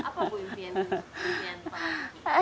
apa bu impian